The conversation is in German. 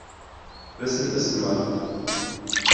Wissen ist Macht.